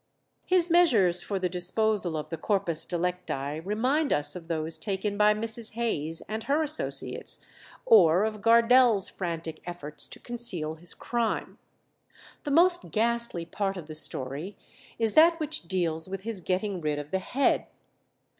His measures for the disposal of the corpus delicti remind us of those taken by Mrs. Hayes and her associates, or of Gardelle's frantic efforts to conceal his crime. The most ghastly part of the story is that which deals with his getting rid of the head.